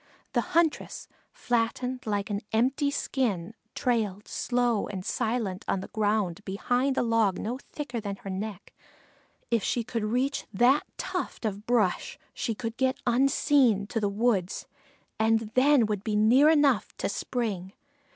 The huntress, flattened like an empty skin, trailed slow and silent on the ground behind a log no thicker than her neck; if she could reach that tuft of brush she could get unseen to the weeds and then would be near enough to spring.